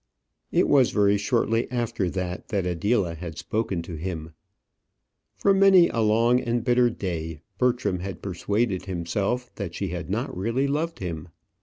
It was very shortly after that Adela had spoken to him. For many a long and bitter day, Bertram had persuaded himself that she had not really loved him.